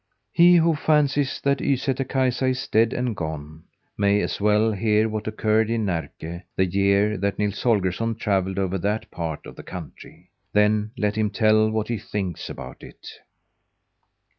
He who fancies that Ysätter Kaisa is dead and gone may as well hear what occurred in Närke the year that Nils Holgersson travelled over that part of the country. Then let him tell what he thinks about it.